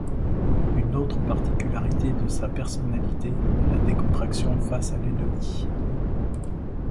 Une autre particularité de sa personnalité est la décontraction face à l'ennemi.